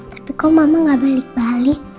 tapi kok mama gak balik balik